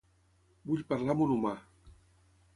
Vull parlar amb un humà.